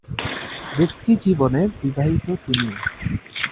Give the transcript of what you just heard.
ব্যক্তিগত জীবনে বিবাহিত তিনি।